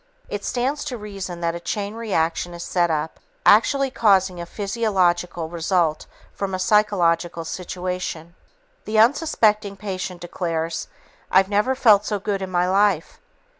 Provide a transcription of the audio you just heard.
It stands to reason that a chain reaction is set up, actually causing a physiological result from a psychological reaction. The unsuspecting patient declares, "I've never felt so good in my life."